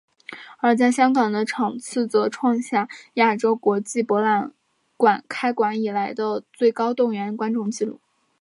而在香港的场次则创下亚洲国际博览馆开馆以来最高动员观众记录。